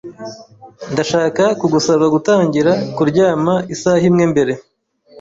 Ndashaka kugusaba gutangira kuryama isaha imwe mbere.